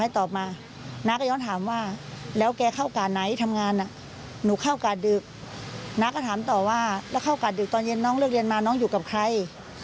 ตอนเย็นน้องเลือกเรียนมาน้องอยู่กับใคร